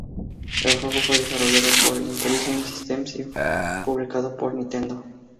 El juego fue desarrollado por Intelligent Systems y publicado por Nintendo.